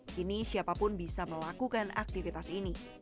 kini siapapun bisa melakukan aktivitas ini